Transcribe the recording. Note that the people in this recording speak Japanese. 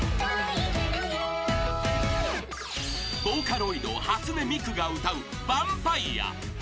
［ボーカロイド初音ミクが歌う『ヴァンパイア』］